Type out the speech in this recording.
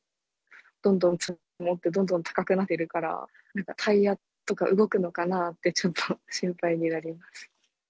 どんどん積もってどんどん高くなってるから、なんか、タイヤとか動くのかなって、ちょっと心配になります。